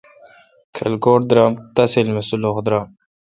کلھکوٹ درآم تحصیل می سولح درام۔